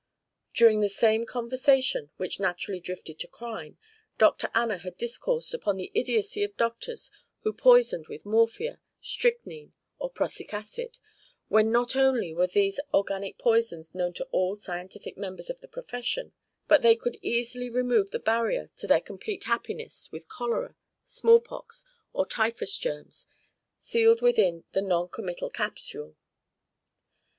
During the same conversation, which naturally drifted to crime, Dr. Anna had discoursed upon the idiocy of doctors who poisoned with morphia, strychnine, or prussic acid, when not only were these organic poisons known to all scientific members of the profession, but they could easily remove the barrier to their complete happiness with cholera, smallpox, or typhus germs, sealed within the noncommittal capsule.